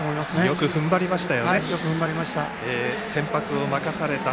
よくふんばりました。